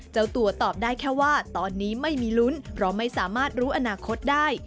เจ้าตัวตอบได้แค่ว่าตอนนี้ไม่มีลุ้นเพราะไม่สามารถรู้อนาคตได้